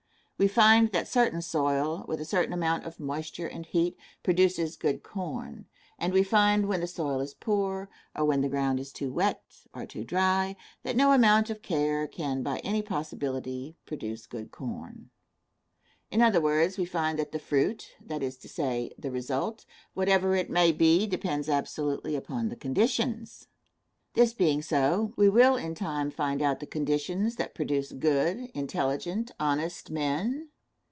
We find that certain soil, with a certain amount of moisture and heat, produces good corn, and we find when the soil is poor, or when the ground is too wet, or too dry, that no amount of care can, by any possibility, produce good corn. In other words, we find that the fruit, that is to say, the result, whatever it may be, depends absolutely upon the conditions. This being so, we will in time find out the conditions that produce good, intelligent, honest men.